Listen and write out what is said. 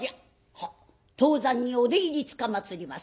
「はっ当山にお出入りつかまつります